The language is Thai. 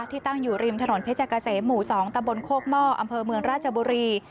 ตั้งอยู่ริมถนนเพชรเกษมหมู่๒ตะบนโคกหม้ออำเภอเมืองราชบุรี